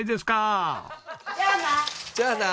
じゃあな。